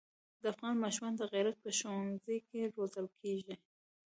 د افغان ماشومان د غیرت په ښونځي کې روزل کېږي.